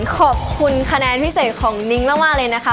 ขอบคุณคะแนนพิเศษของนิ้งมากเลยนะคะ